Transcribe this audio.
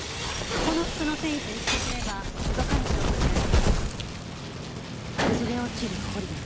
その服の繊維と一致すれば動かぬ証拠になります。